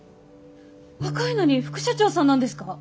若いのに副社長さんなんですか！？